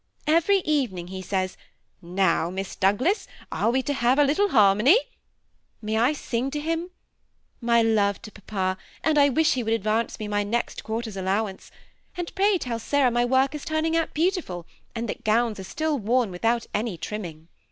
Every evening he says, ' Now, Miss Douglas, are we to have a little harmony ?' May I sing to him ? My love to papa, and I wish he would advance me my next quarter's allowance ; and pray tell Sarah my work is turning out beautiful, and that gowns are still worn without any trimming.